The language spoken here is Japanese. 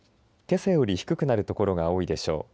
けさより低くなる所が多いでしょう。